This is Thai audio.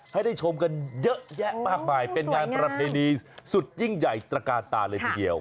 ให้ได้ชมกันเยอะแยะมากมายเป็นงานประเพณีสุดยิ่งใหญ่ตระกาตาเลยทีเดียว